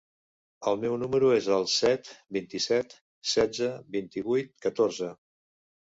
El meu número es el set, vint-i-set, setze, vint-i-vuit, catorze.